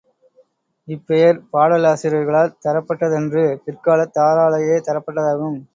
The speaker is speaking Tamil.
இப்பெயர் பாடல் ஆசிரியர்களால் தரப்பட்டதன்று பிற்காலத் தாராலேயே தரப்பட்டதாகும்.